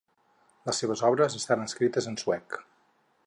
Les seves obres estan escrites en suec.